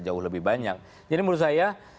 jauh lebih banyak jadi menurut saya